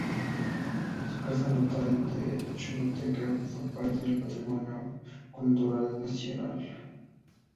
Su casa natal en Choluteca forma parte del patrimonio cultural nacional.